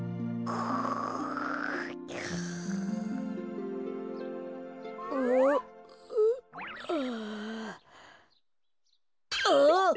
ああ。